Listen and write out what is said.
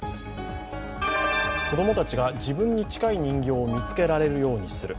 子供たちが自分に近い人形を見つけられるようにする。